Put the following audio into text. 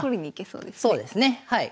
そうですねはい。